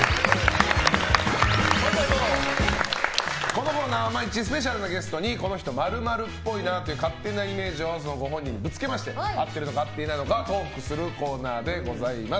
このコーナーは毎日スペシャルなゲストにこの人○○っぽいなという勝手なイメージをゲストご本人にぶつけまして合っているのか合っていないのかトークするコーナーでございます。